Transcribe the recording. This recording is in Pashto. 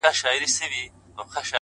• درڅخه ځمه خوږو دوستانو ,